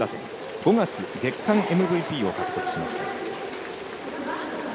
５月、月間ＭＶＰを獲得しました。